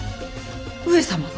上様が？